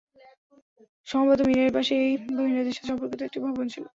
সম্ভবত মিনারের পাশেই মহিলাদের সাথে সম্পর্কিত একটি ভবন ছিল।